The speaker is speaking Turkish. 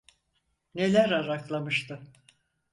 Neler araklamıştı.